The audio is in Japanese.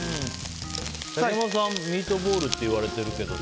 竹山さんはミートボールって言われてるけどさ。